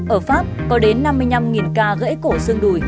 ở pháp có đến năm mươi năm ca gãy cổ xương đùi